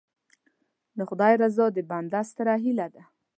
د خدای رضا د بنده ستره هیله ده.